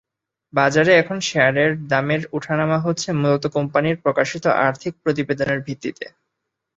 বাজারে এখন শেয়ারের দামের ওঠানামা হচ্ছে মূলত কোম্পানির প্রকাশিত আর্থিক প্রতিবেদনের ভিত্তিতে।